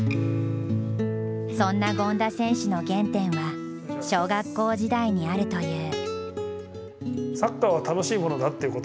そんな権田選手の原点は小学校時代にあるという。